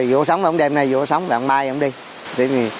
vỗ sống ông đêm nay vỗ sống và ông mai ông đi